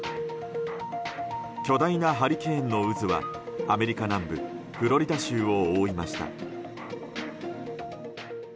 巨大なハリケーンの渦はアメリカ南部フロリダ州を覆いました。